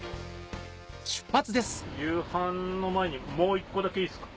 夕飯の前にもう１個だけいいっすか？